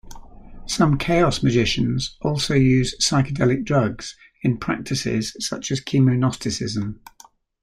Some chaos magicians also use psychedelic drugs in practices such as chemognosticism.